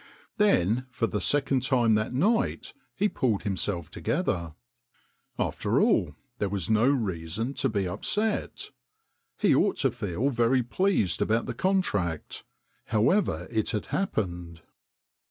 Then, for the second time that night, he pulled himself together. After all, there was no reason to be upset. He ought to feel very pleased about the contract, however it had happened.